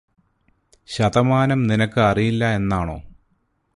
ശതമാനം നിനക്ക് അറിയില്ല എന്നാണോ